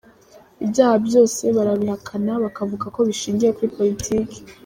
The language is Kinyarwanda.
Ibyaha byose barabihakana bakavuga ko bishingiye kuri politiki